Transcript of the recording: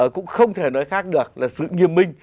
cũng không thể nói khác được là sự nghiêm minh